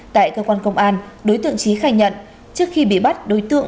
tại cơ quan công an đối tượng trí khai nhận trước khi bị bắt đối tượng